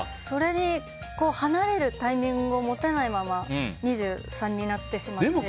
それと離れるタイミングを持てないまま２３になってしまって。